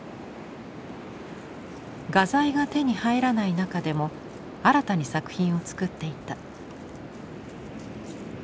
画材が手に入らない中でも新たに作品を作っていた。